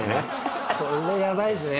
これヤバいっすね。